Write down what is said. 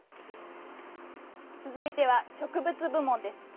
つづいては「植物部門」です。